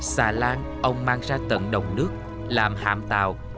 xà lan ông mang ra tận đồng nước làm hạm tàu